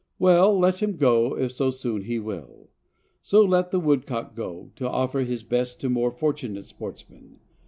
Well, let him go, if so soon he will. So let the woodcock go, to offer his best to more fortunate sportsmen.